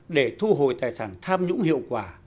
để thu hồi tài sản tham nhũng hiệu quả